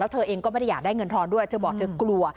เธอเองก็ไม่ได้อยากได้เงินทอนด้วยเธอบอกเธอกลัว